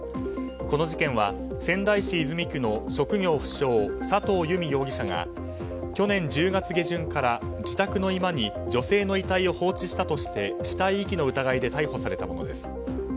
この事件は仙台市泉区の職業不詳、佐藤結美容疑者が去年１０月下旬から自宅の居間に女性の遺体を放置したとして死体遺棄の疑いで逮捕されたものです。